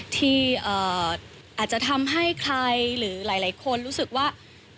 ที่อาจจะทำให้ใครหรือหลายคนรู้สึกว่า